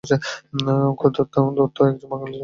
অক্ষয়কুমার দত্ত একজন বাঙালি লেখক।